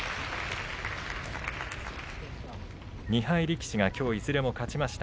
２敗力士がきょういずれも勝ちました。